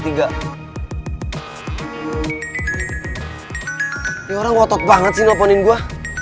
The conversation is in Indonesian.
nih orang wotot banget sih nelfonin gua